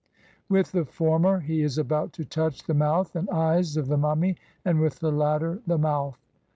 With the former he is about to touch the mouth and eyes of the mummy, and with the latter the mouth.